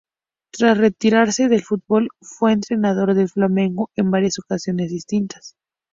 Tras retirarse del fútbol, fue entrenador del Flamengo en varias ocasiones distintas.